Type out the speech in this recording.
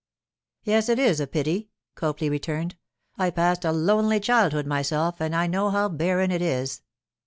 'Yes, it is a pity,' Copley returned. 'I passed a lonely childhood myself, and I know how barren it is.